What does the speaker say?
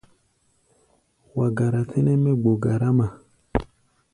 Wa gara tɛ́nɛ́ mɛ́ gbo garáma.